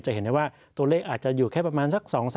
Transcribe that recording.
เห็นได้ว่าตัวเลขอาจจะอยู่แค่ประมาณสัก๒๓